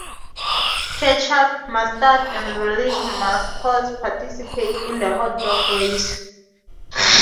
Ketchup, Mustard, and Relish mascots participate in the hot dog race.